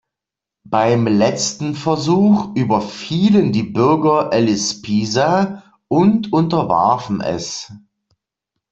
Beim letzten Versuch überfielen die Bürger Elis' Pisa und unterwarfen es.